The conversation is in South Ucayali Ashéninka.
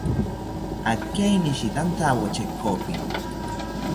Akeinishitantawo chekopi